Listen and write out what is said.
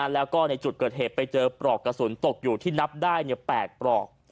แล้วก็ในจุดเกิดเหตุไปเจอปลอกกระสุนตกอยู่ที่นับได้๘ปลอก